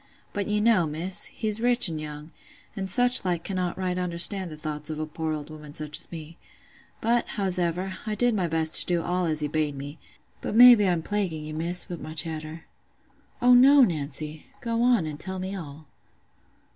But you know, Miss, he's rich an' young, and such like cannot right understand the thoughts of a poor old woman such as me. But, howsever, I did my best to do all as he bade me—but maybe I'm plaguing you, Miss, wi' my chatter." "Oh, no, Nancy! Go on, and tell me all."